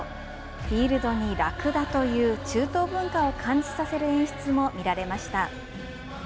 フィールドにラクダという中東文化を感じさせる演出も見られました